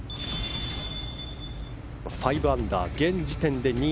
５アンダー、現時点で２位